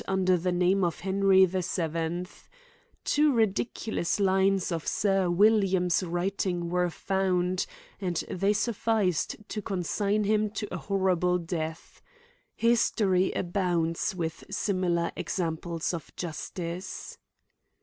206 under the name of Henry the VII : two ridiculous lines of Sir William's writing were found, and they sufficed to consign him to a horrible death. His tory abounds with similar examples of justice.